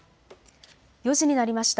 ４時になりました。